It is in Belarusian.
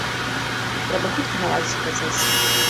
Трэба хутка наладзіць працэс.